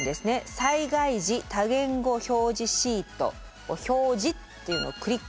「災害時多言語表示シートを表示」というのをクリック。